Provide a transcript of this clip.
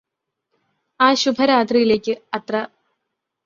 ആ ശുഭരാത്രിയിലേയ്ക് അത്ര